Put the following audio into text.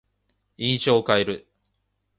印象を変える。